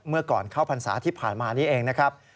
เมื่อก่อนเข้าพรรษาที่ผ่านมานี้เองนะครับ